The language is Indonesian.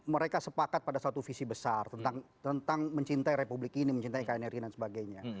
mereka sepakat pada suatu visi besar tentang mencintai republik ini mencintai energi dan sebagainya